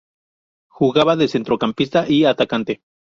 Jugaba de centrocampista y atacante.